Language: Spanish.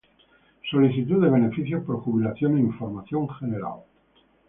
Solicitud de beneficios por jubilación e información general